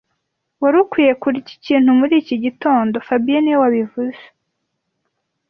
Wari ukwiye kurya ikintu muri iki gitondo fabien niwe wabivuze